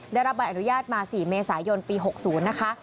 ได้รับใบอนุญาตมา๔เมษายนปี๖๐นะคะ